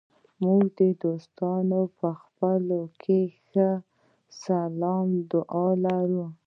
موږ دوستان په خپلو کې ښه سلام دعا لرو.